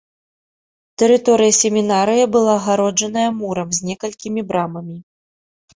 Тэрыторыя семінарыі была агароджаная мурам з некалькімі брамамі.